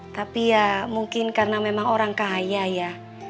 tapi ya mungkin karena memang orang kaya ya